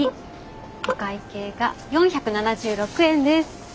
お会計が４７６円です。